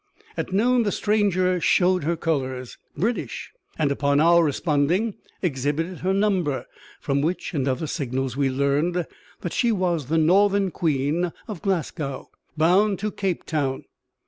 At noon the stranger showed her colours, British, and, upon our responding, exhibited her number; from which and other signals we learned that she was the Northern Queen, of Glasgow, bound to Cape Town.